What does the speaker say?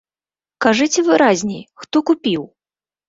Кажыце выразней, хто купіў?